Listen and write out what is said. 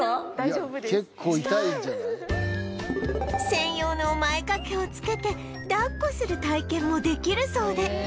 専用の前掛けを着けて抱っこする体験もできるそうで